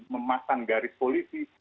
memasang garis polisi